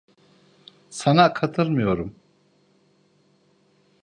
Sana katılmıyorum.